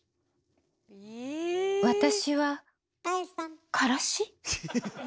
私はからし。